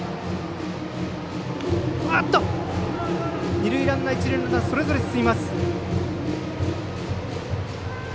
二塁ランナー一塁ランナー、それぞれ進みます。